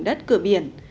và đất cửa biển